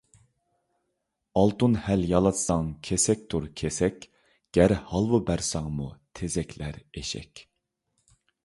ئالتۇن ھەل يالاتساڭ كېسەكتۇر كېسەك، گەر ھالۋا بەرسەڭمۇ تېزەكلەر ئېشەك.